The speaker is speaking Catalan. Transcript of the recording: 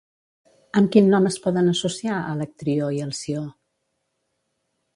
Amb quin nom es poden associar Alectrió i Halció?